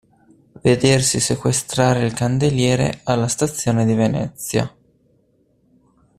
Vedersi sequestrare il candeliere alla stazione di Venezia.